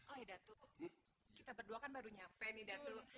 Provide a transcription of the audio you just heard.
oh datu kita berdua kan baru nyampe datu